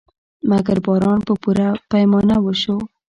مګر باران په پوره پیمانه وشو.